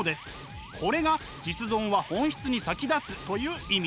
これが「実存は本質に先立つ」という意味。